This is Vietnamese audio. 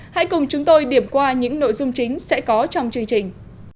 hãy cùng chúng tôi điểm qua những nội dung chính sẽ có trong chương trình